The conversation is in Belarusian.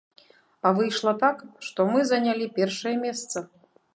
А выйшла так, што мы занялі першае месца.